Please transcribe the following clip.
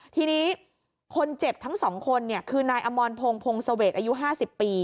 ทีนี้คนเจ็บทั้ง๒คนคือนายอมรพงศ์พงศวรรษอายุ๕๐ปี